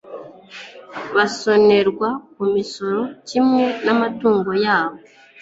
basonerwa ku musoro kimwe n'amatungo yabo